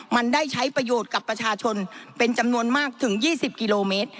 มันได้ใช้ประโยชน์กับประชาชนเป็นจำนวนมากถึง๒๐กิโลเมตร